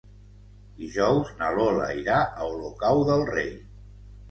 Dijous na Lola irà a Olocau del Rei.